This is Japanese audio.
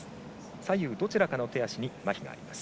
左右どちらかの手足にまひがあります。